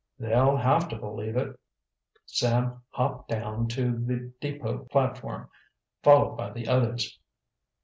"They'll have to believe it." Sam hopped down to the depot platform, followed by the others.